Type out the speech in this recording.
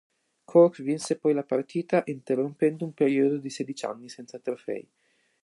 Cork vinse poi la partita, interrompendo un periodo di sedici anni senza trofei.